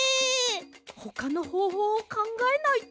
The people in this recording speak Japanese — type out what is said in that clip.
ほかのほうほうをかんがえないと。